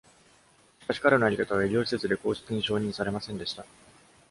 しかし彼のやり方は、医療施設で公式に承認されませんでした。